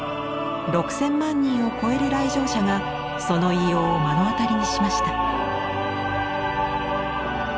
６，０００万人を超える来場者がその威容を目の当たりにしました。